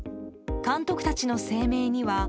監督たちの声明には。